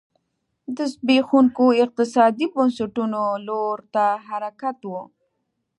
د زبېښونکو اقتصادي بنسټونو لور ته حرکت و